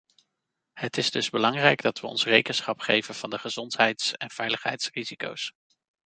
Het is dus belangrijk dat we ons rekenschap geven van de gezondheids- en veiligheidsrisico's.